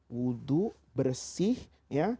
wudhu bersih ya